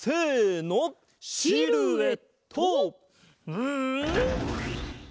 うん！